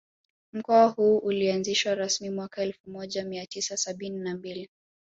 Mkoa huu ulianzishwa rasmi mwaka elfu moja mia tisa sabini na mbili